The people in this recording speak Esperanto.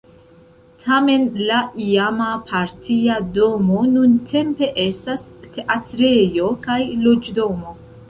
Tamen la iama partia domo nuntempe estas teatrejo kaj loĝdomo.